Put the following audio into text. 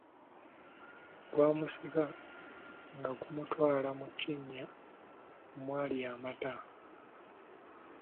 Gwamusika nga gumutwala mu kinnya omwali amata.